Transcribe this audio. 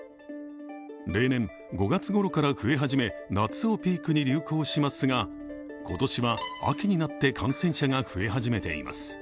例年、５月ごろから増え始め夏をピークに流行しますが今年は秋になって感染者が増え始めています。